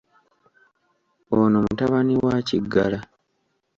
ONO mutabani wa Kiggala.